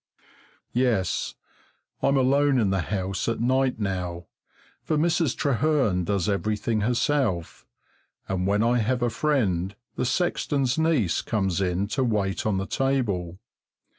Yes, I'm alone in the house at night now, for Mrs. Trehearn does everything herself, and when I have a friend the sexton's niece comes in to wait on the table.